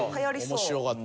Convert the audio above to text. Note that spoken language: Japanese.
面白かった。